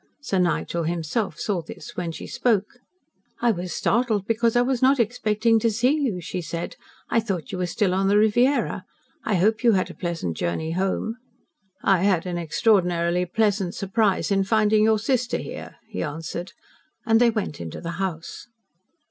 Sir Nigel himself saw this when she spoke. "I was startled because I was not expecting to see you," she said. "I thought you were still on the Riviera. I hope you had a pleasant journey home." "I had an extraordinarily pleasant surprise in finding your sister here," he answered. And they went into the house.